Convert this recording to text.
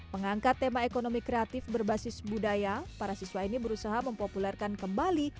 mengangkat tema ekonomi kreatif berbasis budaya para siswa ini berusaha mempopulerkan kembali